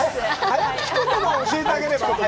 早口言葉を教えてあげれば？